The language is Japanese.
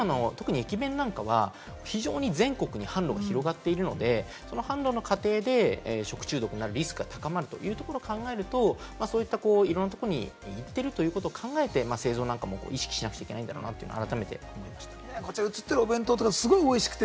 それから、特に今の駅弁なんかは全国に販路が広がっているので、販路の過程で食中毒になるリスクが高まるというところを考えると、そういったいろんなところにいってるということを考えて、製造なんかも意識しなくちゃいけないんだろうなと改めて思いました。